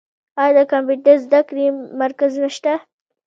آیا د کمپیوټر زده کړې مرکزونه شته؟